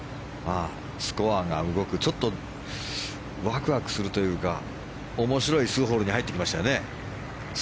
スコアが動くちょっとワクワクするというか面白い数ホールに入ってきましたね。